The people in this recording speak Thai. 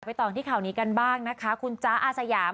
ต่อกันที่ข่าวนี้กันบ้างนะคะคุณจ๊ะอาสยาม